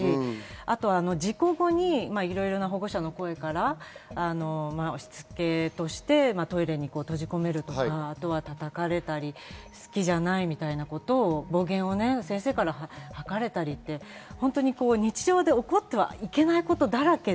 あと事故後に、いろいろな保護者の声から、しつけとしてトイレに閉じ込めるとか、叩かれたり、好きじゃないみたいなことを、暴言をね、先生から吐かれたり、日常で起こってはいけないことだらけ。